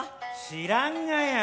「知らんがや。